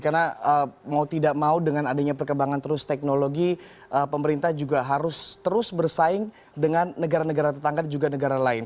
karena mau tidak mau dengan adanya perkembangan terus teknologi pemerintah juga harus terus bersaing dengan negara negara tetangga dan juga negara lain